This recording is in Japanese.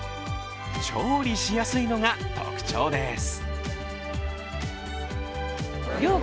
調理しやすいのが特徴です。